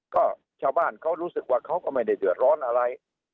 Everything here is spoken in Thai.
ก็ชาวบ้านเขารู้สึกว่าเขาก็ไม่ได้เดือดร้อนอะไร